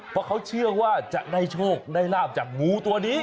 เพราะเขาเชื่อว่าจะได้โชคได้ลาบจากงูตัวนี้